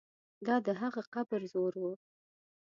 دا د هغه قبر زور وو.